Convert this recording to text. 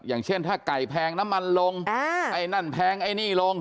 อย่างเช่นถ้าไก่แพงน้ำมันลงไอ้นั่นแพงไอ้นี่ลง